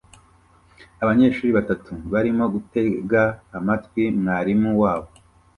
Abanyeshuri batatu barimo gutega amatwi mwarimu wabo